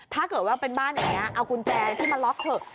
ถ้าเกิดว่าเป็นบ้านอย่างนี้เอากุญแจที่มาล็อกเถอะ